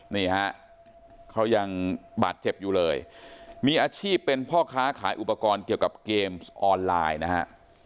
นี่ฮะเขายังบาดเจ็บอยู่เลยมีอาชีพเป็นพ่อค้าขายอุปกรณ์เกี่ยวกับเกมส์ออนไลน์นะฮะ